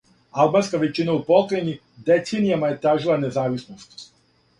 Албанска већина у покрајини деценијама је тежила независности.